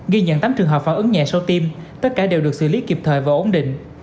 ghi nhận tám trường hợp phản ứng nhẹ sau tim tất cả đều được xử lý kịp thời và ổn định